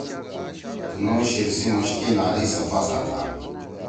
تُنُو شیِر سی مُوش کے نالی صفا ساتا۔